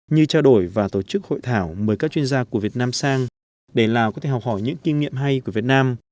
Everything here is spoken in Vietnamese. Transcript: như trao đổi và tổ chức hội thảo mời các chuyên gia của việt nam sang để lào có thể học hỏi những kinh nghiệm hay của việt nam